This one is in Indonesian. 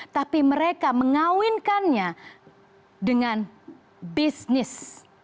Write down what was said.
tapi mereka mengawinkannya dengan bisnis